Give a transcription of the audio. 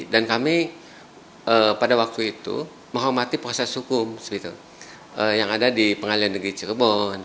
dan kami pada waktu itu menghormati proses hukum yang ada di pengadilan negeri cirebon